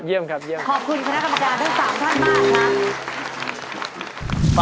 ขอบคุณคณะกรรมการทั้ง๓ท่านมากครับ